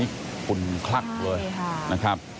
นี่ภูมิคุ้นครักเลยนะครับ